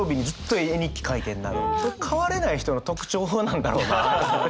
変われない人の特徴なんだろうなって。